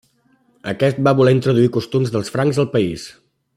Aquest va voler introduir costums dels francs al país.